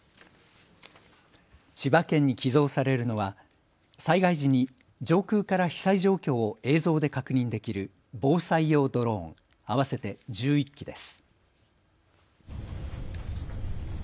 千葉県に寄贈されるのは災害時に上空から被災状況を映像で確認できる防災用ドローン合わせて１１機です。